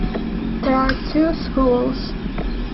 There are two schools.